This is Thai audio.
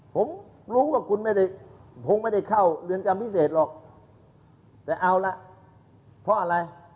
ผมรู้ว่าคุณไม่ได้คงไม่ได้เข้าเรือนจำพิเศษหรอกแต่เอาละเพราะอะไร